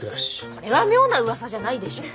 それは妙なうわさじゃないでしょ。